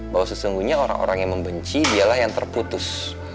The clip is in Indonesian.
bahwa sesungguhnya orang orang yang membenci dialah yang terputus